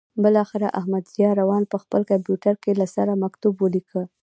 بالاخره احمدضیاء روان په خپل کمپیوټر کې له سره مکتوب ولیکه.